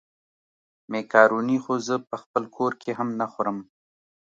مېکاروني خو زه په خپل کور کې هم نه خورم.